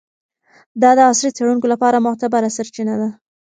دا د عصري څیړونکو لپاره معتبره سرچینه ده.